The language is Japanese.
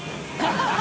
ハハハ